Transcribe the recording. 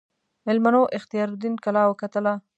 میلمنو اختیاردین کلا وکتله.